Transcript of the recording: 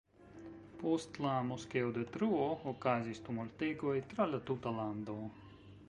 Post la moskeo-detruo okazis tumultegoj tra la tuta lando.